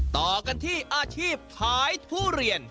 ต่อกันที่อาชีพขายทุเรียน